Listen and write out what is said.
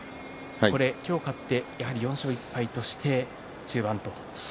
今日、勝ってやはり４勝１敗として中盤と。